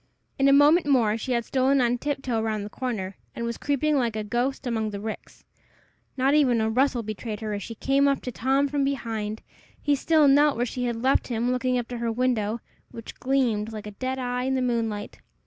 In a moment more she had stolen on tiptoe round the corner, and was creeping like a ghost among the ricks. Not even a rustle betrayed her as she came up to Tom from behind. He still knelt where she had left him, looking up to her window, which gleamed like a dead eye in the moonlight.